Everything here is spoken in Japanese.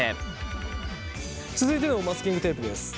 続いてのマスキングテープです